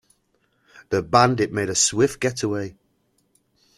The bandit made a swift getaway.